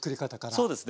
そうですね。